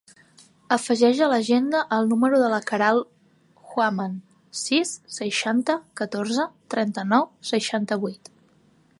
Afegeix a l'agenda el número de la Queralt Huaman: sis, seixanta, catorze, trenta-nou, seixanta-vuit.